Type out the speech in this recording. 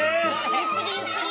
ゆっくりゆっくり。